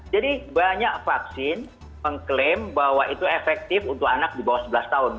jadi banyak vaksin mengklaim bahwa itu efektif untuk anak di bawah sebelas tahun